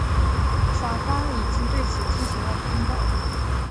法方已经对此进行了通报。